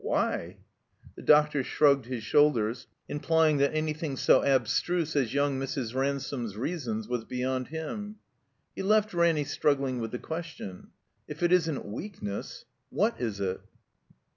'•Why?" The doctor shrugged his shoulders, implying that anything so abstruse as yotmg Mrs. Ransome's rea sons was beyond him. He left Ranny struggling with the question: K it isn't weakness — what is it?